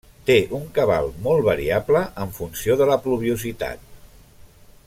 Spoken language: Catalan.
Té un cabal molt variable en funció de la pluviositat.